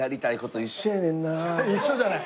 一緒じゃない。